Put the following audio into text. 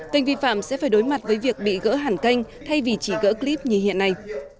kênh vi phạm sẽ phải đối mặt với việc bị gỡ hẳn kênh thay vì chỉ gỡ clip như hiện nay